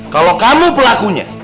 kalau kamu pelakunya